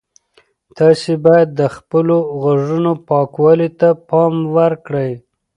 تاسي باید د خپلو غوږونو پاکوالي ته پام وکړئ.